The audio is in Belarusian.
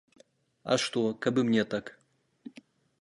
А што, каб і мне так?